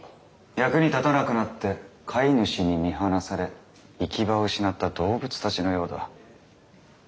役に立たなくなって飼い主に見放され行き場を失った動物たちのようだ。